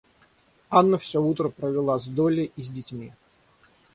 Анна всё утро провела с Долли и с детьми.